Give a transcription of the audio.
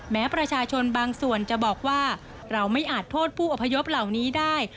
แม้ประชาชนบางส่วนจะบอกว่าเราไม่อาจโทษผู้อพยพเหล่านี้ได้